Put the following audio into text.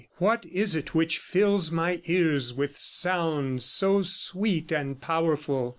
What is it which fills my ears with sounds so sweet and powerful?